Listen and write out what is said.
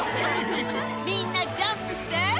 みんな、ジャンプして。